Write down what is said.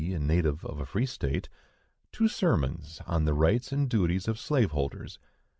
a native of a free state), two sermons on the rights and duties of slave holders.